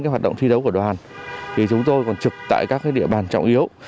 hoạt động thi đấu của đoàn chúng tôi còn trực tại các địa bàn trọng yếu